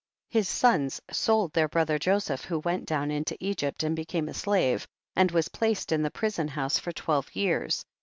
15. His sons sold their brother Joseph, who went down into Egypt and became a slave, and was placed in the prison house for twelve years.